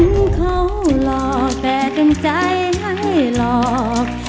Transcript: ถึงเขาหลอกแต่ถึงใจให้หลอก